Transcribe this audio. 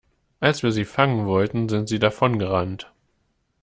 Als wir sie fangen wollten, sind sie davongerannt.